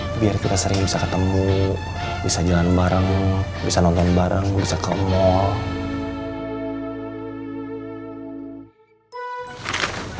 tapi biar kita sering bisa ketemu bisa jalan bareng bisa nonton bareng bisa ke mall